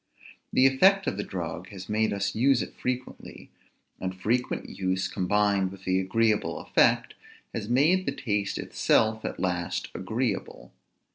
The effect of the drug has made us use it frequently; and frequent use, combined with the agreeable effect, has made the taste itself at last agreeable.